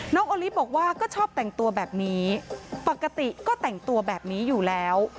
โอลิฟบอกว่าก็ชอบแต่งตัวแบบนี้ปกติก็แต่งตัวแบบนี้อยู่แล้ว